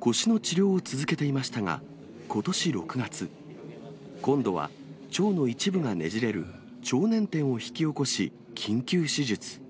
腰の治療を続けていましたが、ことし６月、今度は腸の一部がねじれる腸捻転を引き起こし、緊急手術。